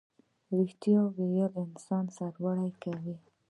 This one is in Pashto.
ریښتیا ویل انسان سرلوړی کوي